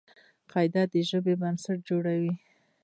قاعده د ژبي بنسټ جوړوي.